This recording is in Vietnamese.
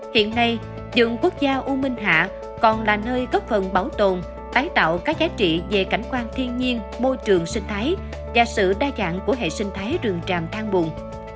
hiện nay rừng quốc gia u minh hạ còn là nơi góp phần bảo tồn tái tạo các giá trị về cảnh quan thiên nhiên môi trường sinh thái và sự đa dạng của hệ sinh thái rừng tràm thang bùn